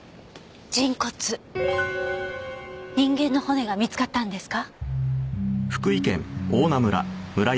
人間の骨が見つかったんですか？